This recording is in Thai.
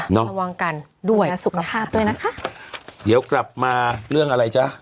พระเจ้าโดยสุขภาพด้วยนะคะเดี๋ยวกลับมาเรื่องอะไรจ้ะ